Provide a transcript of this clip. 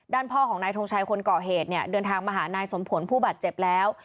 พ่อของนายทงชัยคนก่อเหตุเนี่ยเดินทางมาหานายสมผลผู้บาดเจ็บแล้ว